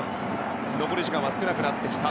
残り時間は少なくなってきた。